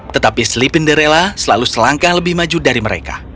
tetapi slipin the rela selalu selangkah lebih maju dari mereka